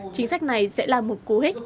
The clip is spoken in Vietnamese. chính sách này sẽ là một cú hích